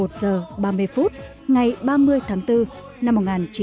một mươi một h ba mươi phút ngày ba mươi tháng bốn năm một nghìn chín trăm bảy mươi năm